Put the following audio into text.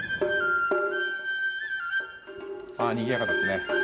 にぎやかですね。